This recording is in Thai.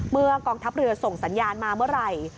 กองทัพเรือส่งสัญญาณมาเมื่อไหร่